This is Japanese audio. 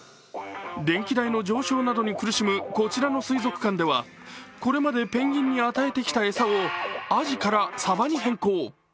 電気代の上昇になどに苦しむこちらの水族館ではこれまでペンギンに与えてきた餌をあじからさばに変更。